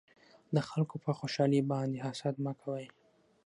د خلکو په خوشحالۍ باندې حسد مکوئ